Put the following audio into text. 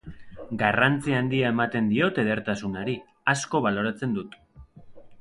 Garrantzi handia ematen diot edertasunari, asko baloratzen dut.